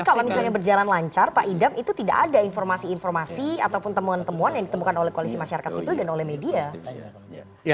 tapi kalau misalnya berjalan lancar pak idam itu tidak ada informasi informasi ataupun temuan temuan yang ditemukan oleh koalisi masyarakat sipil dan oleh media